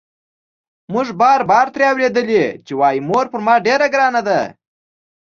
موږ بار بار ترې اورېدلي چې وايي مور پر ما ډېره ګرانه ده.